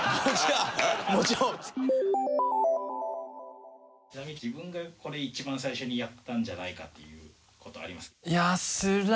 ちなみに自分がこれ一番最初にやったんじゃないかっていう事あります？